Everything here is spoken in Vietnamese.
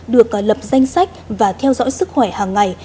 được lập danh sách và theo dõi sức khỏe hàng ngày